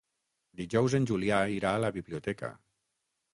Dijous en Julià irà a la biblioteca.